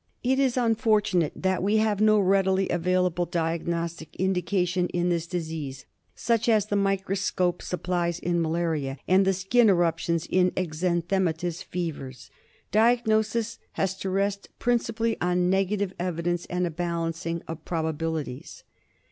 It is unfortunate that we have no readily available diagnostic indication in this disease, such as the micro scope supplies in malaria, and the skin eruption in the exanthematous fevers. Diagnosis has to rest principally on negative evidence and a balancing of probabilities.